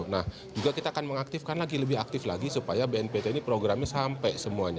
nah juga kita akan mengaktifkan lagi lebih aktif lagi supaya bnpt ini programnya sampai semuanya